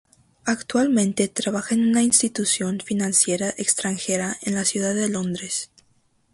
Actualmente trabaja en una institución financiera extranjera en la ciudad de Londres.